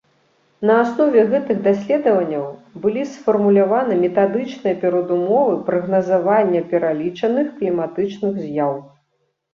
На аснове гэтых даследаванняў былі сфармуляваны метадычныя перадумовы прагназавання пералічаных кліматычных з'яў.